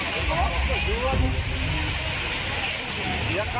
เจ๊กับปั๊ก